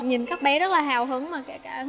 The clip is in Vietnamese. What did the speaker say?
nhìn các bé rất là hào hứng